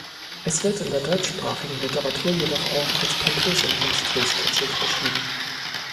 Es wird in der deutschsprachigen Literatur jedoch auch als pompös und monströs-kitschig beschrieben.